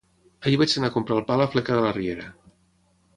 Ahir vaig anar a comprar el pa a la fleca de la riera.